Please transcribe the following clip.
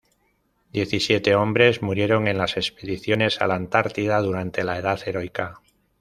Diecisiete hombres murieron en las expediciones a la Antártida durante la edad heroica.